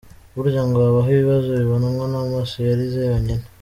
Burya ngo habaho ibibazo bibonwa n’amaso yarize yonyine.